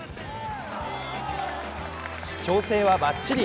調整はバッチリ。